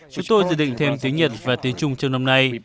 chúng tôi dự định thêm tiếng nhật và tiếng trung trong năm nay